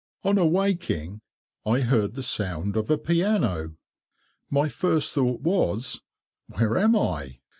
On awaking I heard the sound of a piano. My first thought was, "Where am I?"